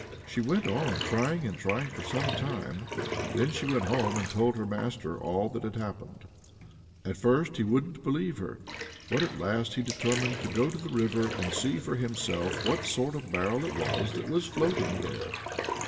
She went on trying and trying for some time, then she went home and told her master all that had happened. At first he wouldn't believe her, but at last he determined to go to the river and see for himself what sort of barrel it was that was floating there.